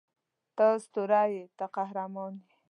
ته اسطوره یې ته قهرمان یې